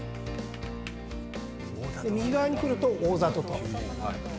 右側に来るとおおざとと。